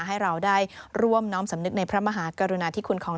ให้เราได้ร่วมน้อมสำนึกในพระมหากรุณาธิคุณของ